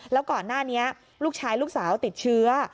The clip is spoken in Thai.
แล้วก่อนหน้านี้ลูกชายลูกสาวติดเชื้อ